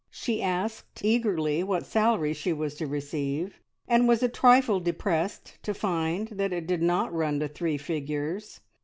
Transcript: She asked eagerly what salary she was to receive, and was a trifle depressed to find that it did not run to three figures.